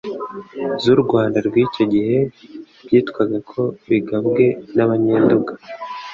z'u Rwanda rw'icyo gihe byitwaga ko bigabwe n'Abanyenduga